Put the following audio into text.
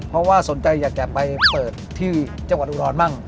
เพราะว่าสนใจอยากจะไปเปิดที่จังหวัดอุดรมั่ง